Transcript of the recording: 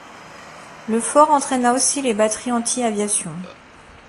Le fort entraina aussi les batteries anti-aviation.